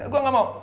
gue gak mau